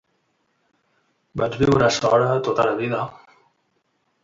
Vaig viure sola tota la vida.